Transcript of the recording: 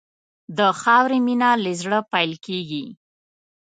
د خاورې مینه له زړه پیل کېږي.